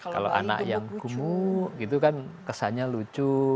kalau anak yang gemuk itu kan kesannya lucu